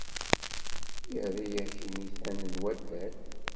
Yera akk initen n waddal.